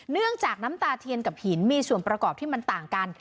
เนื่องจากน้ำตาเทียนกับหินมีส่วนประกอบที่มันต่างกัน